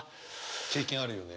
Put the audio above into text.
経験あるよね。